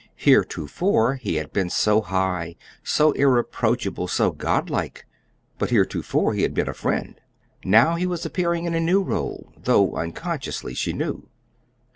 Heretofore he had been so high, so irreproachable, so god like! but heretofore he had been a friend. Now he was appearing in a new role though unconsciously, she knew.